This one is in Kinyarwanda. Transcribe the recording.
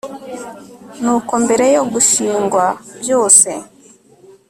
Ni uko mbere yo gushingwa byose